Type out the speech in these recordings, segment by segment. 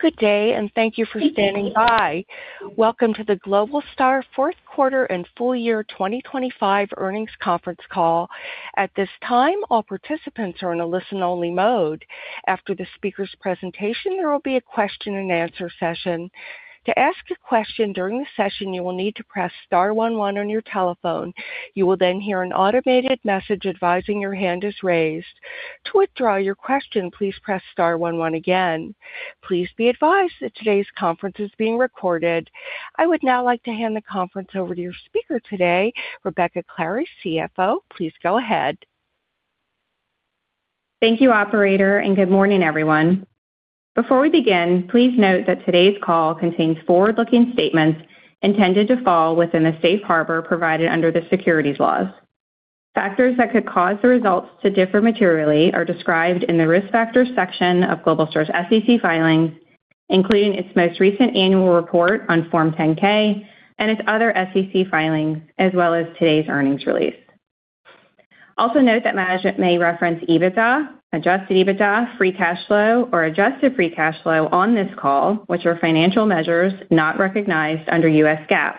Good day. Thank you for standing by. Welcome to the Globalstar fourth quarter and full year 2025 earnings conference call. At this time, all participants are in a listen-only mode. After the speaker's presentation, there will be a question-and-answer session. To ask a question during the session, you will need to press star 11 on your telephone. You will then hear an automated message advising your hand is raised. To withdraw your question, please press star 11 again. Please be advised that today's conference is being recorded. I would now like to hand the conference over to your speaker today, Rebecca Clary, CFO. Please go ahead. Thank you, operator. Good morning, everyone. Before we begin, please note that today's call contains forward-looking statements intended to fall within the safe harbor provided under the securities laws. Factors that could cause the results to differ materially are described in the Risk Factors section of Globalstar's SEC filings, including its most recent annual report on Form 10-K and its other SEC filings, as well as today's earnings release. Note that management may reference EBITDA, Adjusted EBITDA, free cash flow, or adjusted free cash flow on this call, which are financial measures not recognized under U.S. GAAP.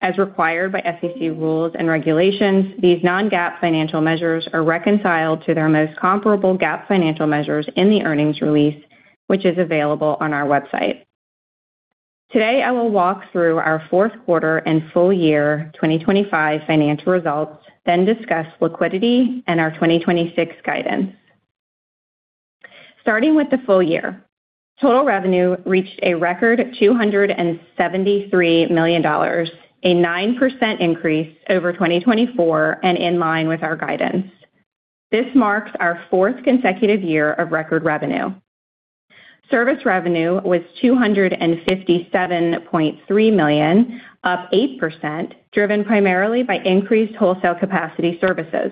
As required by SEC rules and regulations, these non-GAAP financial measures are reconciled to their most comparable GAAP financial measures in the earnings release, which is available on our website. Today, I will walk through our fourth quarter and full year 2025 financial results, then discuss liquidity and our 2026 guidance. Starting with the full year, total revenue reached a record $273 million, a 9% increase over 2024 and in line with our guidance. This marks our fourth consecutive year of record revenue. Service revenue was $257.3 million, up 8%, driven primarily by increased wholesale capacity services.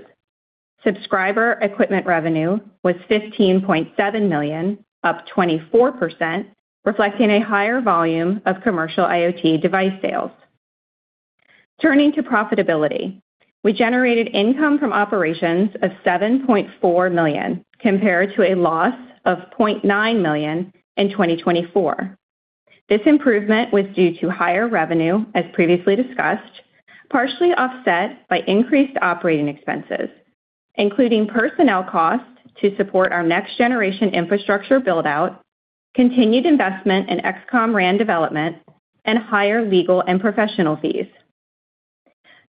Subscriber equipment revenue was $15.7 million, up 24%, reflecting a higher volume of commercial IoT device sales. Turning to profitability, we generated income from operations of $7.4 million, compared to a loss of $0.9 million in 2024. This improvement was due to higher revenue, as previously discussed, partially offset by increased operating expenses, including personnel costs to support our next-generation infrastructure build-out, continued investment in XCOM RAN development, and higher legal and professional fees.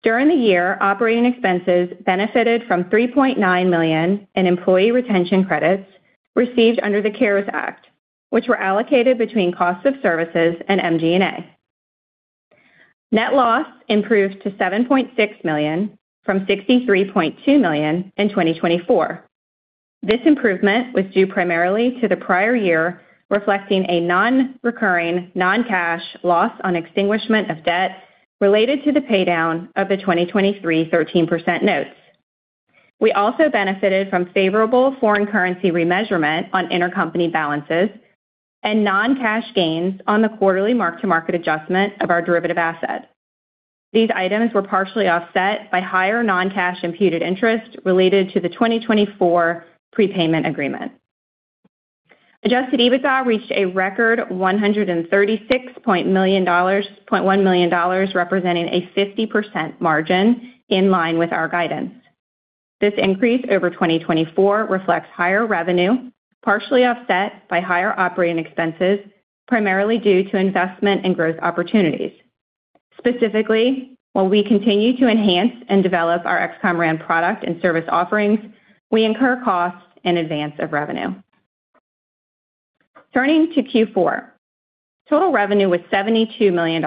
During the year, operating expenses benefited from $3.9 million in employee retention credits received under the CARES Act, which were allocated between cost of services and MG&A. Net loss improved to $7.6 million from $63.2 million in 2024. This improvement was due primarily to the prior year, reflecting a non-recurring, non-cash loss on extinguishment of debt related to the paydown of the 2023 13% notes. We also benefited from favorable foreign currency remeasurement on intercompany balances and non-cash gains on the quarterly mark-to-market adjustment of our derivative asset. These items were partially offset by higher non-cash imputed interest related to the 2024 prepayment agreement. Adjusted EBITDA reached a record $136.1 million, representing a 50% margin in line with our guidance. This increase over 2024 reflects higher revenue, partially offset by higher operating expenses, primarily due to investment and growth opportunities. Specifically, while we continue to enhance and develop our XCOM RAN product and service offerings, we incur costs in advance of revenue. Turning to Q4, total revenue was $72 million,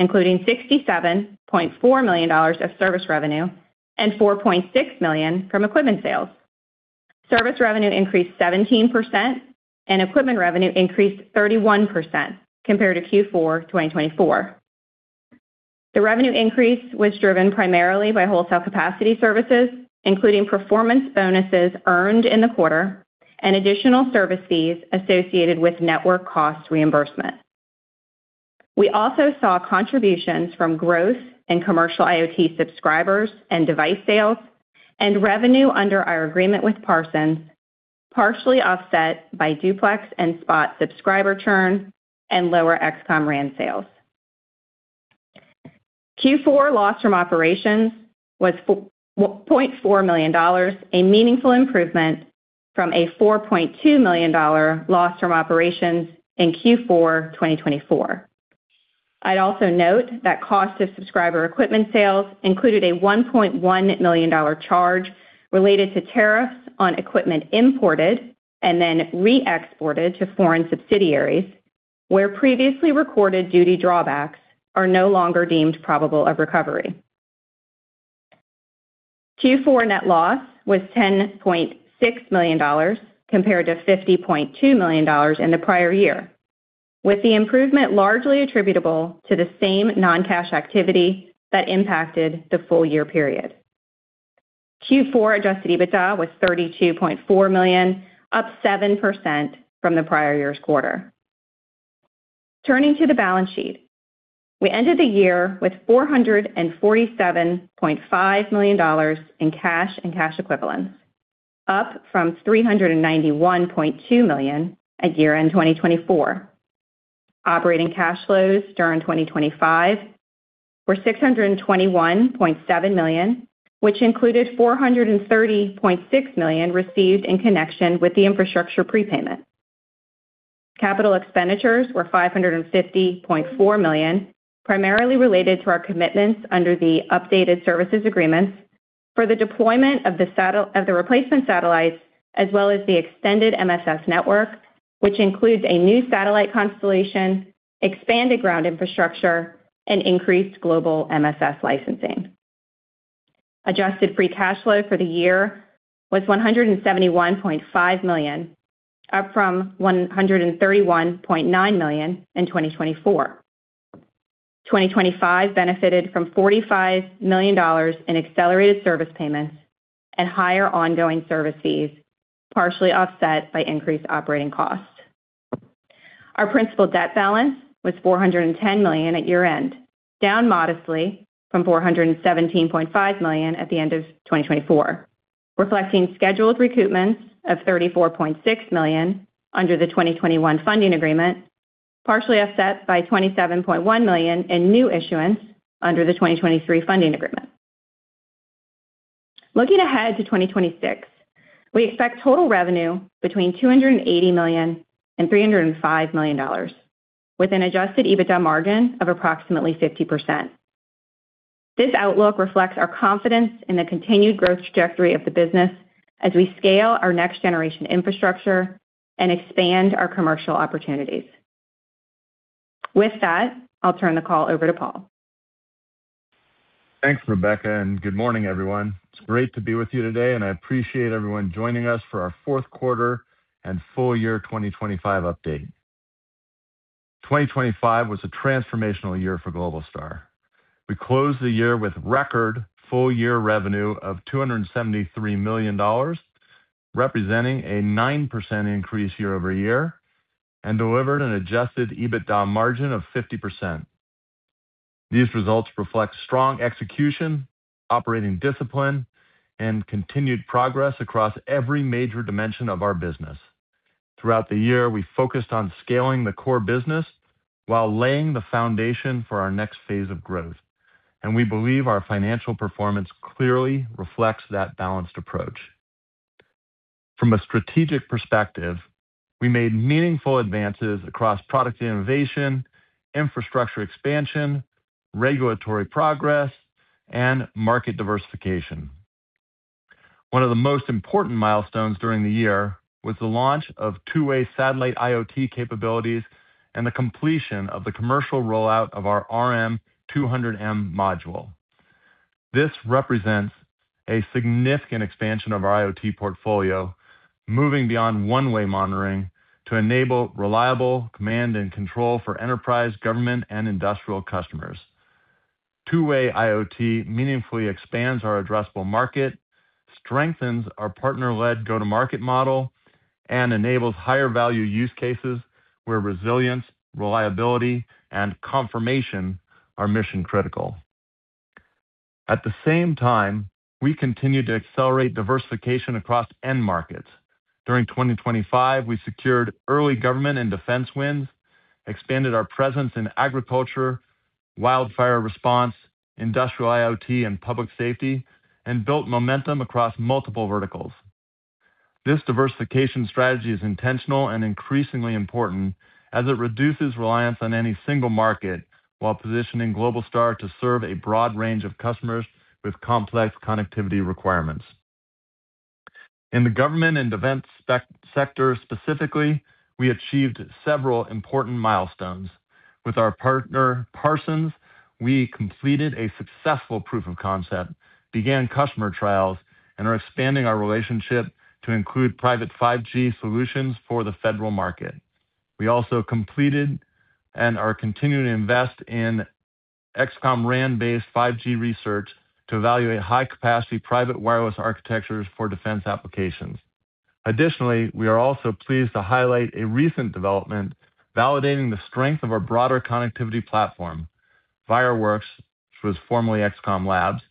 including $67.4 million of service revenue and $4.6 million from equipment sales. Service revenue increased 17% and equipment revenue increased 31% compared to Q4 2024. The revenue increase was driven primarily by wholesale capacity services, including performance bonuses earned in the quarter and additional service fees associated with network cost reimbursement. We also saw contributions from growth in commercial IoT subscribers and device sales, and revenue under our agreement with Parsons, partially offset by Duplex and SPOT subscriber churn and lower XCOM RAN sales. Q4 loss from operations was $4.4 million, a meaningful improvement from a $4.2 million loss from operations in Q4 2024. I'd also note that cost of subscriber equipment sales included a $1.1 million charge related to tariffs on equipment imported and then re-exported to foreign subsidiaries, where previously recorded duty drawbacks are no longer deemed probable of recovery. Q4 net loss was $10.6 million, compared to $50.2 million in the prior year, with the improvement largely attributable to the same non-cash activity that impacted the full year period. Q4 Adjusted EBITDA was $32.4 million, up 7% from the prior year's quarter. Turning to the balance sheet. We ended the year with $447.5 million in cash and cash equivalents, up from $391.2 million at year-end 2024. Operating cash flows during 2025 were $621.7 million, which included $430.6 million received in connection with the infrastructure prepayment. Capital expenditures were $550.4 million, primarily related to our commitments under the updated services agreements for the deployment of the replacement satellites, as well as the extended MSS network, which includes a new satellite constellation, expanded ground infrastructure, and increased global MSS licensing. Adjusted free cash flow for the year was $171.5 million, up from $131.9 million in 2024. 2025 benefited from $45 million in accelerated service payments and higher ongoing service fees, partially offset by increased operating costs. Our principal debt balance was $410 million at year-end, down modestly from $417.5 million at the end of 2024, reflecting scheduled recoupments of $34.6 million under the 2021 funding agreement, partially offset by $27.1 million in new issuance under the 2023 funding agreement. Looking ahead to 2026, we expect total revenue between $280 million and $305 million, with an Adjusted EBITDA margin of approximately 50%. This outlook reflects our confidence in the continued growth trajectory of the business as we scale our next-generation infrastructure and expand our commercial opportunities. With that, I'll turn the call over to Paul. Thanks, Rebecca. Good morning, everyone. It's great to be with you today, and I appreciate everyone joining us for our fourth quarter and full year 2025 update. 2025 was a transformational year for Globalstar. We closed the year with record full-year revenue of $273 million, representing a 9% increase year-over-year, and delivered an Adjusted EBITDA margin of 50%. These results reflect strong execution, operating discipline, and continued progress across every major dimension of our business. Throughout the year, we focused on scaling the core business while laying the foundation for our next phase of growth, and we believe our financial performance clearly reflects that balanced approach. From a strategic perspective, we made meaningful advances across product innovation, infrastructure expansion, regulatory progress, and market diversification. One of the most important milestones during the year was the launch of two-way satellite IoT capabilities and the completion of the commercial rollout of our RM200M module. This represents a significant expansion of our IoT portfolio, moving beyond one-way monitoring to enable reliable command and control for enterprise, government, and industrial customers. Two-way IoT meaningfully expands our addressable market, strengthens our partner-led go-to-market model, and enables higher-value use cases where resilience, reliability, and confirmation are mission-critical. At the same time, we continue to accelerate diversification across end markets. During 2025, we secured early government and defense wins, expanded our presence in agriculture, wildfire response, industrial IoT, and public safety, and built momentum across multiple verticals. This diversification strategy is intentional and increasingly important as it reduces reliance on any single market, while positioning Globalstar to serve a broad range of customers with complex connectivity requirements. In the government and defense sector specifically, we achieved several important milestones. With our partner, Parsons, we completed a successful proof of concept, began customer trials, and are expanding our relationship to include private 5G solutions for the federal market. We also completed and are continuing to invest in XCOM RAN-based 5G research to evaluate high-capacity private wireless architectures for defense applications. We are also pleased to highlight a recent development validating the strength of our broader connectivity platform. Virewirx, which was formerly XCOM Labs,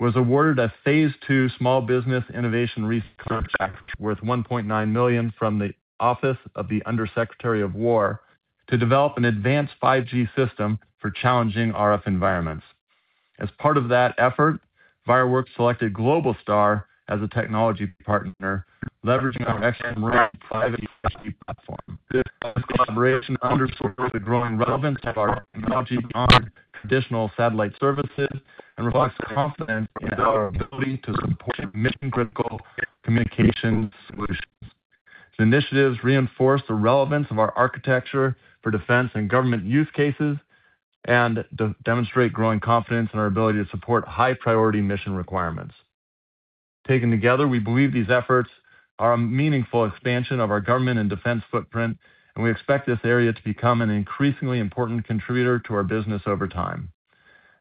was awarded a Phase Two Small Business Innovation Research contract worth $1.9 million from the Office of the Under Secretary of War to develop an advanced 5G system for challenging RF environments. As part of that effort, Virewirx selected Globalstar as a technology partner, leveraging our XCOM RAN 5G platform. This collaboration underscores the growing relevance of our technology on traditional satellite services and reflects the confidence in our ability to support mission-critical communications solutions. The initiatives reinforce the relevance of our architecture for defense and government use cases and demonstrate growing confidence in our ability to support high-priority mission requirements. Taken together, we believe these efforts are a meaningful expansion of our government and defense footprint, and we expect this area to become an increasingly important contributor to our business over time.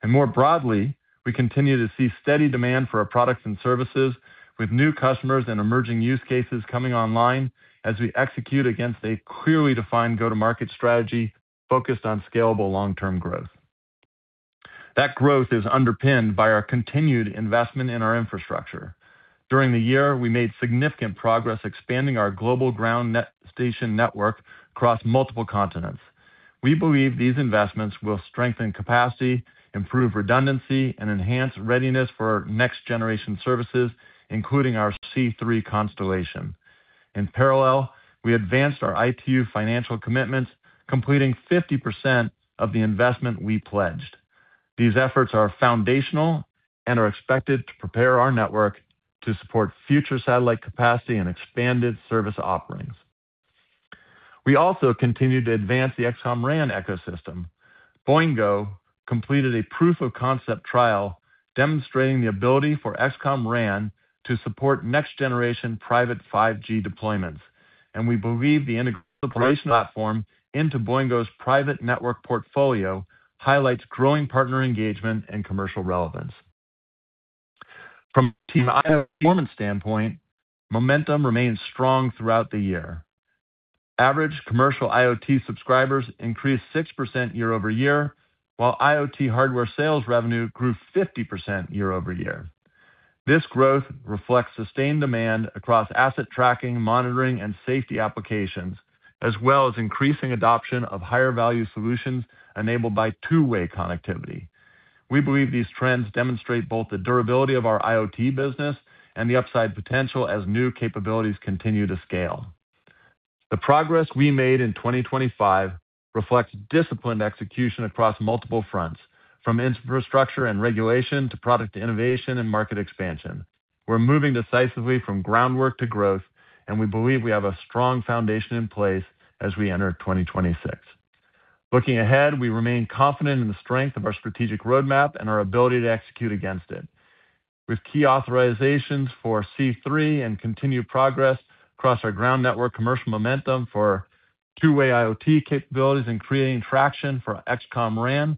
More broadly, we continue to see steady demand for our products and services, with new customers and emerging use cases coming online as we execute against a clearly defined go-to-market strategy focused on scalable long-term growth. That growth is underpinned by our continued investment in our infrastructure. During the year, we made significant progress expanding our global ground net station network across multiple continents. We believe these investments will strengthen capacity, improve redundancy, and enhance readiness for our next generation services, including our C3 constellation. In parallel, we advanced our ITU financial commitments, completing 50% of the investment we pledged. These efforts are foundational and are expected to prepare our network to support future satellite capacity and expanded service offerings. We also continued to advance the XCOM RAN ecosystem. Boingo completed a proof of concept trial demonstrating the ability for XCOM RAN to support next generation private 5G deployments. We believe the integration platform into Boingo's private network portfolio highlights growing partner engagement and commercial relevance. From IoT performance standpoint, momentum remains strong throughout the year. Average commercial IoT subscribers increased 6% year-over-year, while IoT hardware sales revenue grew 50% year-over-year. This growth reflects sustained demand across asset tracking, monitoring, and safety applications, as well as increasing adoption of higher value solutions enabled by two-way connectivity. We believe these trends demonstrate both the durability of our IoT business and the upside potential as new capabilities continue to scale. The progress we made in 2025 reflects disciplined execution across multiple fronts, from infrastructure and regulation to product innovation and market expansion. We're moving decisively from groundwork to growth, and we believe we have a strong foundation in place as we enter 2026. Looking ahead, we remain confident in the strength of our strategic roadmap and our ability to execute against it. With key authorizations for C3 and continued progress across our ground network, commercial momentum for two-way IoT capabilities, and creating traction for XCOM RAN,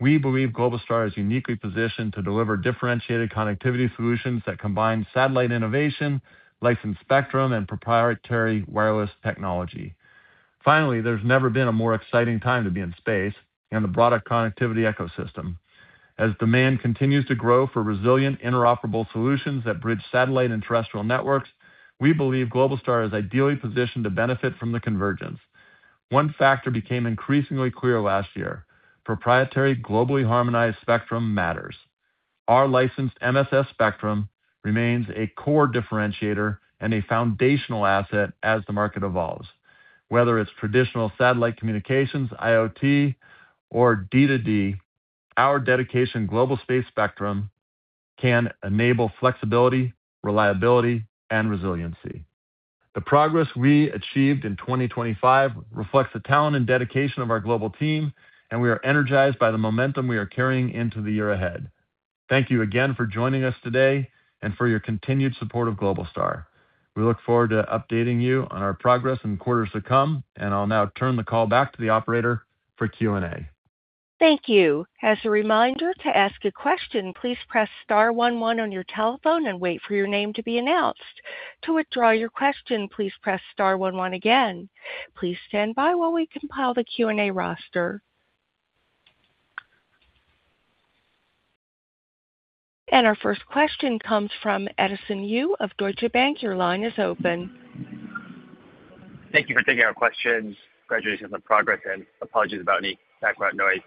we believe Globalstar is uniquely positioned to deliver differentiated connectivity solutions that combine satellite innovation, licensed spectrum, and proprietary wireless technology. Finally, there's never been a more exciting time to be in space and the broader connectivity ecosystem. As demand continues to grow for resilient, interoperable solutions that bridge satellite and terrestrial networks, we believe Globalstar is ideally positioned to benefit from the convergence. One factor became increasingly clear last year: proprietary, globally harmonized spectrum matters. Our licensed MSS spectrum remains a core differentiator and a foundational asset as the market evolves. Whether it's traditional satellite communications, IoT, or D2D, our dedication global space spectrum can enable flexibility, reliability, and resiliency. The progress we achieved in 2025 reflects the talent and dedication of our global team. We are energized by the momentum we are carrying into the year ahead. Thank you again for joining us today and for your continued support of Globalstar. We look forward to updating you on our progress in quarters to come. I'll now turn the call back to the operator for Q&A. Thank you. As a reminder, to ask a question, please press star one one on your telephone and wait for your name to be announced. To withdraw your question, please press star one one again. Please stand by while we compile the Q&A roster. Our first question comes from Edison Yu of Deutsche Bank. Your line is open. Thank you for taking our questions. Congratulations on progress and apologies about any background noise.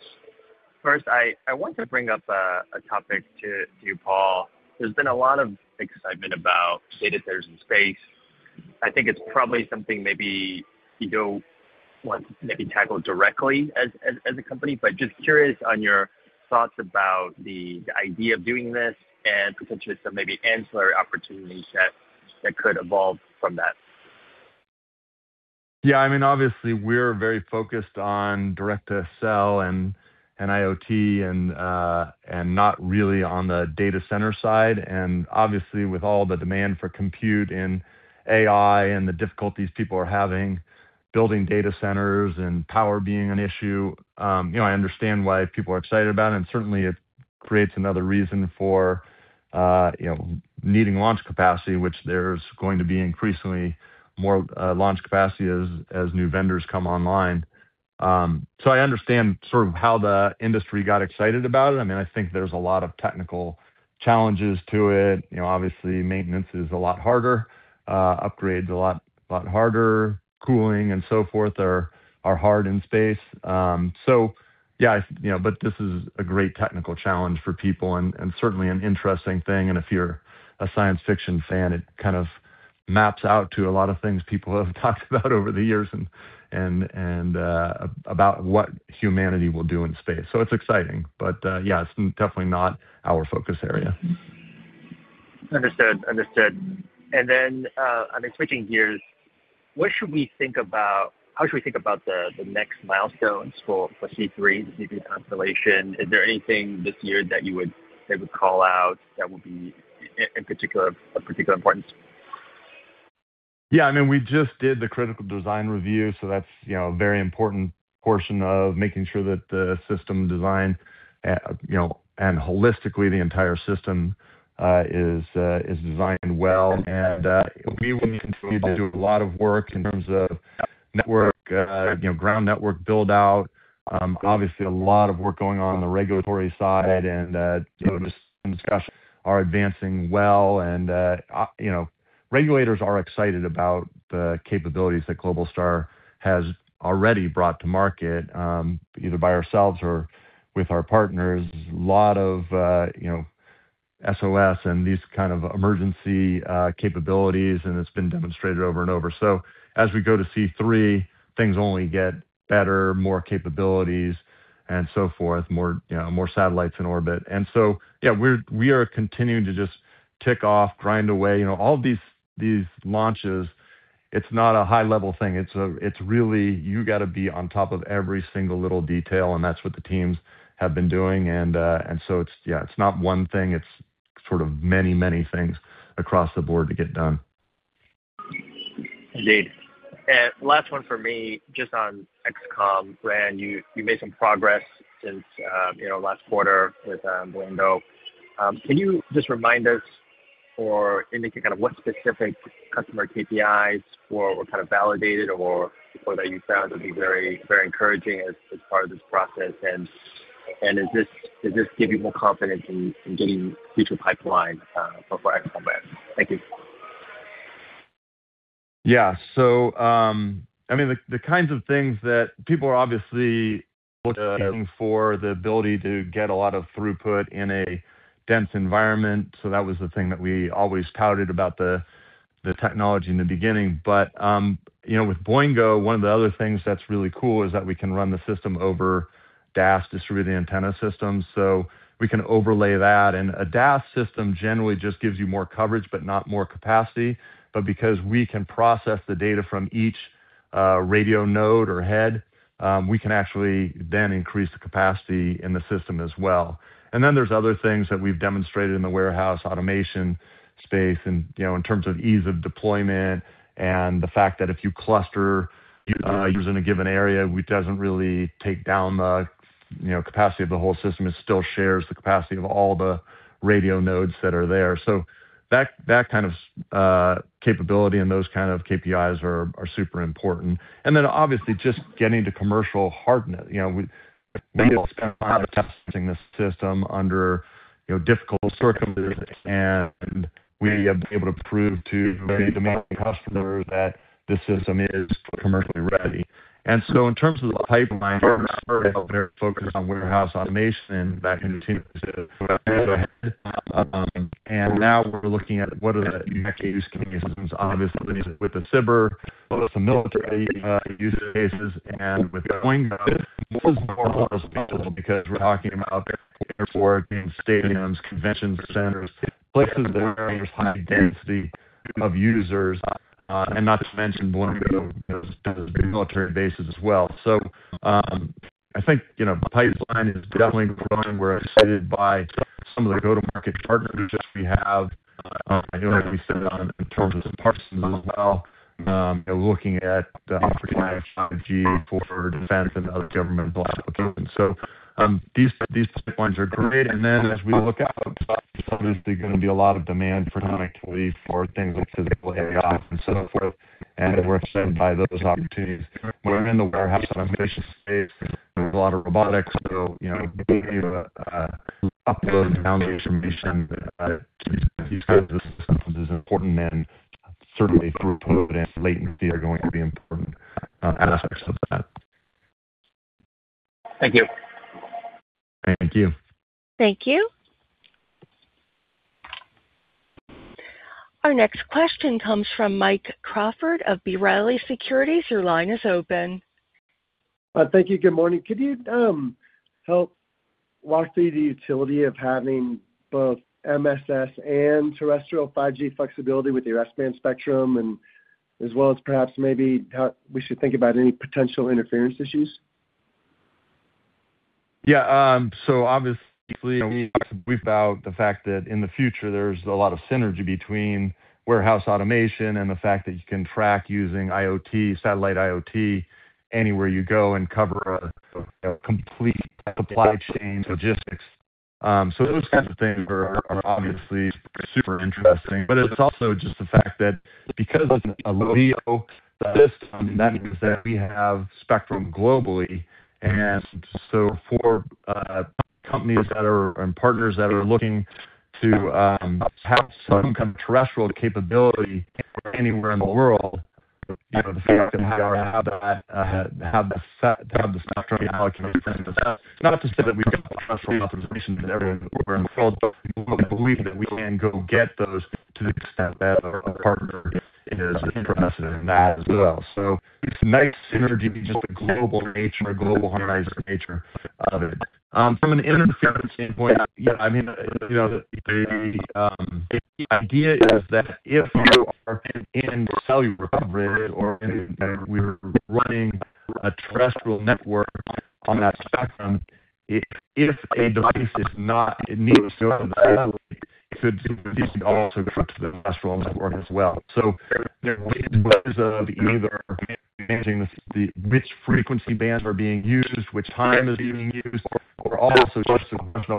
First, I want to bring up a topic to you, Paul. There's been a lot of excitement about data centers in space. I think it's probably something maybe you don't want to maybe tackle directly as a company, but just curious on your thoughts about the idea of doing this and potentially some maybe ancillary opportunities that could evolve from that. Yeah, I mean, obviously, we're very focused on direct-to-device and IoT and not really on the data center side. Obviously, with all the demand for compute and AI and the difficulties people are having, building data centers and power being an issue. I understand why people are excited about it, and certainly it creates another reason for, you know, needing launch capacity, which there's going to be increasingly more launch capacity as new vendors come online. I understand sort of how the industry got excited about it. I think there's a lot of technical challenges to it. Obviously maintenance is a lot harder, upgrades a lot harder. Cooling and so forth are hard in space. Yeah, but this is a great technical challenge for people and certainly an interesting thing. If you're a science fiction fan, it kind of maps out to a lot of things people have talked about over the years and about what humanity will do in space. It's exciting, but yeah, it's definitely not our focus area. Understood. Understood. I mean, switching gears. How should we think about the next milestones for C3, the C3 constellation? Is there anything this year that you would maybe call out that would be in particular, of particular importance? Yeah, I mean, we just did the Critical Design Review, so that's a very important portion of making sure that the system design, you know, and holistically, the entire system, is designed well. We will need to do a lot of work in terms of network, you know, ground network build out. Obviously, a lot of work going on on the regulatory side and, you know, discussions are advancing well, and, you know, regulators are excited about the capabilities that Globalstar has already brought to market, either by ourselves or with our partners. A lot of, you know, SOS and these kind of emergency capabilities, and it's been demonstrated over and over. As we go to C3, things only get better, more capabilities and so forth, more, you know, more satellites in orbit. Yeah, we are continuing to just tick off, grind away all of these launches. It's not a high-level thing. It's a, it's really you got to be on top of every single little detail, and that's what the teams have been doing. Yeah, it's not one thing, it's sort of many, many things across the board to get done. Indeed. Last one for me, just on XCOM RAN. You made some progress since last quarter with Boingo. Can you just remind us or indicate kind of what specific customer KPIs were kind of validated or that you found to be very, very encouraging as part of this process? Does this give you more confidence in getting future pipeline for XCOM RAN? Thank you. Yeah. The kinds of things that people are obviously looking for, the ability to get a lot of throughput in a dense environment. That was the thing that we always touted about the technology in the beginning. With Boingo, one of the other things that's really cool is that we can run the system over DAS, Distributed Antenna System, we can overlay that. A DAS system generally just gives you more coverage, but not more capacity. Because we can process the data from each radio node or head, we can actually then increase the capacity in the system as well. There's other things that we've demonstrated in the warehouse automation space. You know, in terms of ease of deployment and the fact that if you cluster users in a given area, it doesn't really take down the, you know, capacity of the whole system. It still shares the capacity of all the radio nodes that are there. That kind of capability and those kind of KPIs are super important. Then obviously, just getting to commercial hardness. We spent a lot of testing this system under, you know, difficult circumstances, and we have been able to prove to the customer that this system is commercially ready. In terms of the pipeline, focused on warehouse automation, that continues to go ahead. Now we're looking at what are the next use cases, obviously, with the SIBR, some military use cases and with Boingo, because we're talking about airports and stadiums, convention centers, places that are very high density of users, and not to mention Boingo, those big military bases as well. I think the pipeline is definitely growing. We're excited by some of the go-to-market partners that we have. I know that we said in terms of the partners as well, we're looking at the opportunity for defense and other government. These points are great. As we look out, there's going to be a lot of demand for connectivity, for things like physical asset and so forth. We're excited by those opportunities. In the warehouse automation space, there's a lot of robotics. Upload and download information, these kinds of systems is important, and certainly throughput and latency are going to be important, aspects of that. Thank you. Thank you. Thank you. Our next question comes from Mike Crawford of B. Riley Securities. Your line is open. Thank you. Good morning. Could you help walk through the utility of having both MSS and terrestrial 5G flexibility with the S-band spectrum, and as well as perhaps maybe how we should think about any potential interference issues? Yeah, obviously, we talked about the fact that in the future there's a lot of synergy between warehouse automation and the fact that you can track using IoT, satellite IoT, anywhere you go and cover a complete supply chain logistics. Those kinds of things are obviously super interesting. It's also just the fact that because of a video system, that means that we have spectrum globally. For companies that are, and partners that are looking to have some terrestrial capability anywhere in the world, you know, the fact that we have the spectrum allocation. Not to say that we terrestrial authorization everywhere in the world, we believe that we can go get those to the extent that a partner is interested in that as well. It's a nice synergy, just the global nature of it. From an interference standpoint, yeah, I mean, you know, the idea is that if you are in cellular coverage or we're running a terrestrial network on that spectrum, if a device needs to go on satellite, it could be also across the terrestrial network as well. There is of the either managing the, which frequency bands are being used, which time is being used, or also just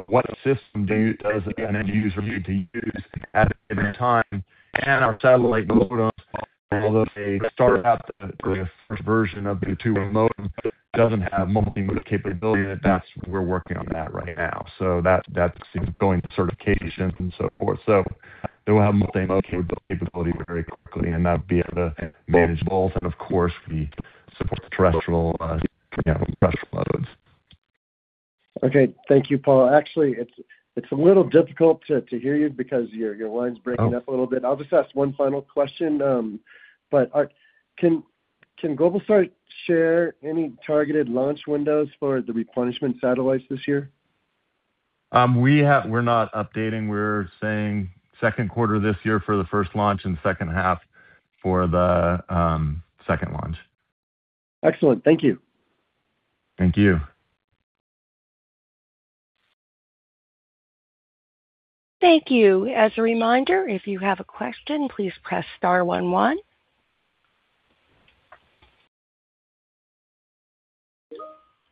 what system does an end user need to use at a given time. Our satellite modems, although they start out the first version of the two-way modem, doesn't have multi-mode capability. We're working on that right now. That's going to certification and so forth. It will have multi-mode capability very quickly, and that'll be able to manage both and of course, the support terrestrial modems. Okay, thank you, Paul. Actually, it's a little difficult to hear you because your line's breaking up a little bit. I'll just ask one final question. Can Globalstar share any targeted launch windows for the replenishment satellites this year? We're not updating. We're saying second quarter this year for the first launch and second half for the second launch. Excellent. Thank you. Thank you. Thank you. As a reminder, if you have a question, please press star one one.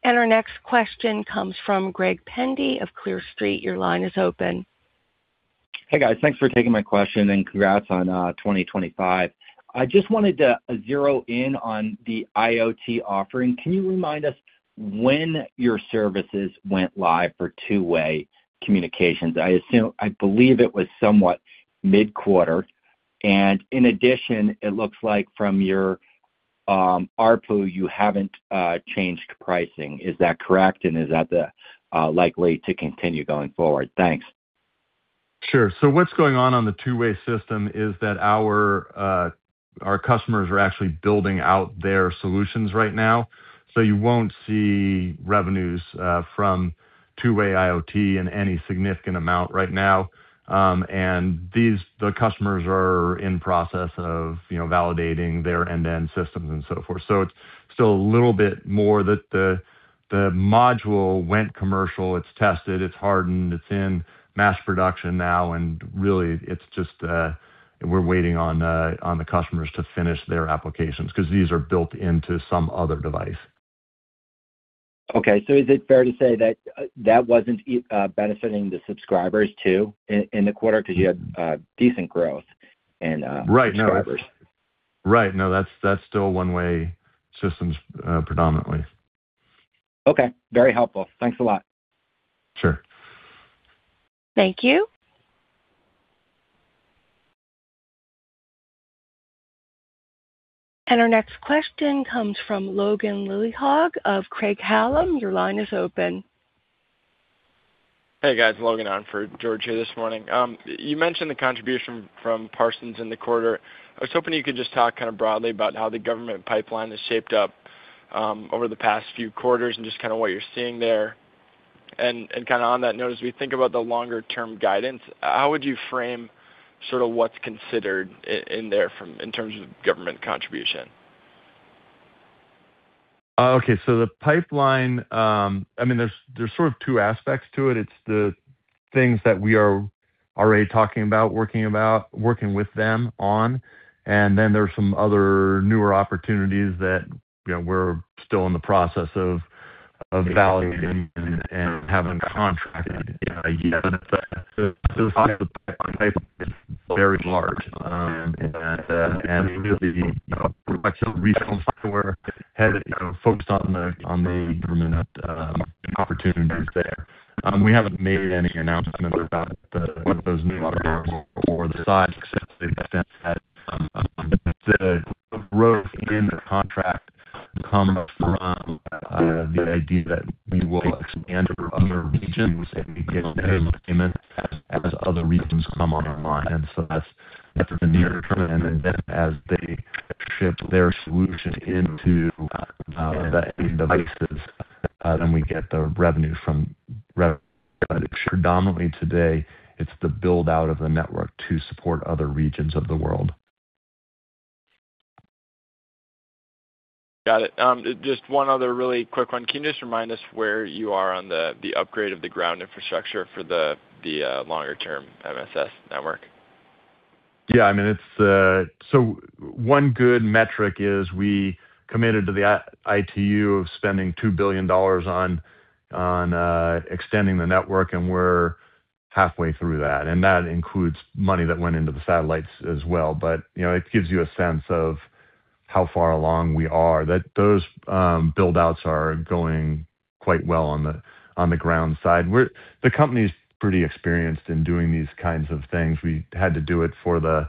Our next question comes from Greg Pendy of Clear Street. Your line is open. Hey, guys. Thanks for taking my question, and congrats on 2025. I just wanted to zero in on the IoT offering. Can you remind us when your services went live for two-way communications? I assume, I believe it was somewhat mid-quarter, and in addition, it looks like from your ARPU, you haven't changed pricing. Is that correct? Is that likely to continue going forward? Thanks. Sure. What's going on on the two-way system is that our customers are actually building out their solutions right now. You won't see revenues from two-way IoT in any significant amount right now. These customers are in process of, you know, validating their end-to-end systems and so forth. It's still a little bit more. The module went commercial, it's tested, it's hardened, it's in mass production now, and really it's just we're waiting on the customers to finish their applications because these are built into some other device. Okay, is it fair to say that that wasn't benefiting the subscribers, too, in the quarter? Because you had decent growth and subscribers. Right. No, that's still one-way systems, predominantly. Okay, very helpful. Thanks a lot. Sure. Thank you. Our next question comes from George Sutton of Craig-Hallum. Your line is open. Hey, guys. Logan on for George here this morning. You mentioned the contribution from Parsons in the quarter. I was hoping you could just talk kind of broadly about how the government pipeline has shaped up over the past few quarters and just kind of what you're seeing there. Kind of on that note, as we think about the longer term guidance, how would you frame sort of what's considered in there from, in terms of government contribution? Okay. The pipeline, I mean, there's sort of two aspects to it. It's the things that we are already talking about, working with them on, and then there are some other newer opportunities that, you know, we're still in the process of validating and having contracted. Very large, and really, you know, recent where had, you know, focused on the government opportunities there. We haven't made any announcements about what those new opportunities or the size, except the extent that the growth in the contract come from the idea that we will expand to other regions, and we get payments as other regions come online. That's the near term. As they ship their solution into the devices, then we get the revenue from. Predominantly today, it's the build-out of the network to support other regions of the world. Got it. Just one other really quick one. Can you just remind us where you are on the upgrade of the ground infrastructure for the longer term MSS network? Yeah, I mean, it's so one good metric is we committed to the ITU of spending $2 billion on extending the network, and we're halfway through that, and that includes money that went into the satellites as well. You know, it gives you a sense of how far along we are. That those build-outs are going quite well on the ground side. The company's pretty experienced in doing these kinds of things. We had to do it for the,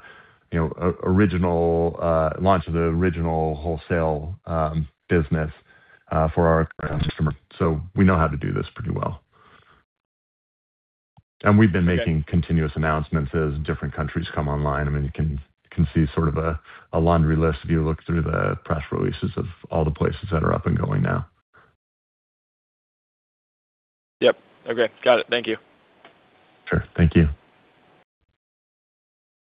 you know, original launch of the original wholesale business for our customer. We know how to do this pretty well. We've been making continuous announcements as different countries come online. I mean, you can see sort of a laundry list if you look through the press releases of all the places that are up and going now. Yep. Okay. Got it. Thank you. Sure. Thank you.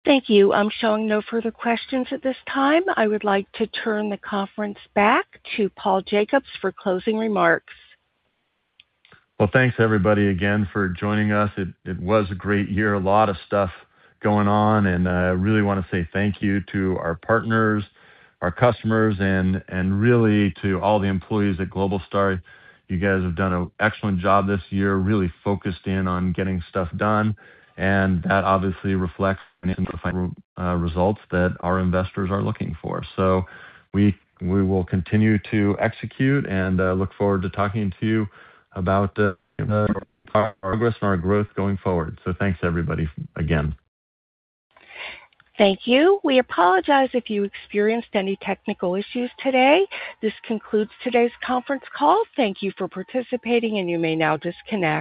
Thank you. I'm showing no further questions at this time. I would like to turn the conference back to Paul Jacobs for closing remarks. Well, thanks, everybody, again, for joining us. It was a great year, a lot of stuff going on, and I really want to say thank you to our partners, our customers, and really to all the employees at Globalstar. You guys have done an excellent job this year, really focused in on getting stuff done, and that obviously reflects the results that our investors are looking for. We will continue to execute and look forward to talking to you about the progress and our growth going forward. Thanks, everybody, again. Thank you. We apologize if you experienced any technical issues today. This concludes today's conference call. Thank you for participating, and you may now disconnect.